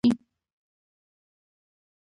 اوس درې بعدي ستونزې هم پرې حل کیږي.